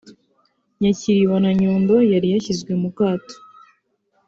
Nyakiriba na Nyundo yari yashyizwe mu kato